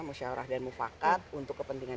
musyawarah dan mufakat untuk kepentingan